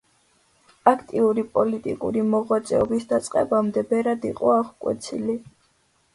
აქტიური პოლიტიკური მოღვაწეობის დაწყებამდე ბერად იყო აღკვეცილი.